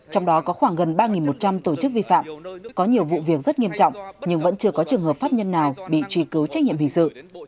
trong đó có khoảng gần ba một trăm linh tổ chức vi phạm có nhiều vụ việc rất nghiêm trọng nhưng vẫn chưa có trường hợp pháp nhân nào bị truy cứu trách nhiệm hình sự